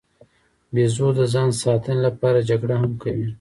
بیزو د ځان ساتنې لپاره جګړه هم کوي.